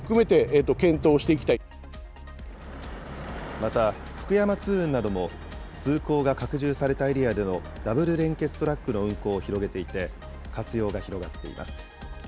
また、福山通運なども通行が拡充されたエリアでのダブル連結トラックの運行を広げていて、活用が広がっています。